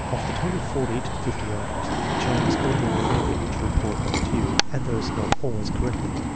Of the total forty to fifty items the child is ordinarily able to report but few, and these not always correctly.